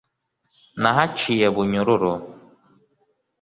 Nahaciye bunyururu.